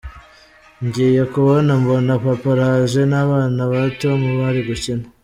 Ngiye kubona, mbona papa araje, n’abana ba Tom bari gukina.